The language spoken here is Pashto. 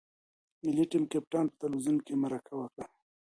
د ملي ټیم کپتان په تلویزیون کې مرکه وکړه.